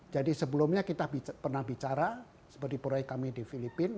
jadi sebelumnya kita pernah bicara seperti proyek kami di filipina